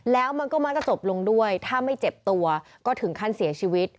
แล้วมันก็มักจะจบลงด้วยถ้าไม่เจ็บตัวก็ถึงขั้นเสียชีวิต